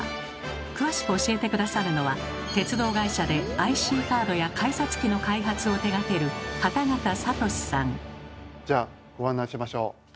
詳しく教えて下さるのは鉄道会社でＩＣカードや改札機の開発を手がけるじゃあご案内しましょう。